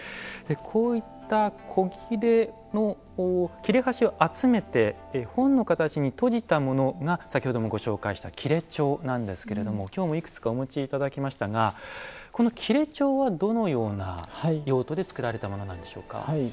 こういった古裂の切れ端を集めて本の形にとじたものが先ほどもご紹介した裂帖なんですけれども今日もいくつかお持ち頂きましたがこの裂帖はどのような用途で作られたものなんでしょうか？